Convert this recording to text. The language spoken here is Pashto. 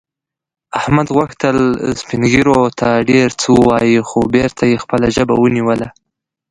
احمد غوښتل سپین ږیرو ته ډېر څه ووايي، خو بېرته یې خپله ژبه ونیوله.